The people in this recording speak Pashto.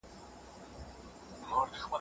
که انلاین ښوونځی وي نو راتلونکی نه خرابیږي.